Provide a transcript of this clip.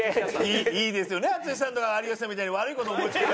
いいですよね淳さんとか有吉さんみたいに悪い事思い付く。